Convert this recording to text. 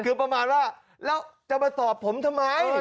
คือประมาณว่าจะไปตอบผมทำไม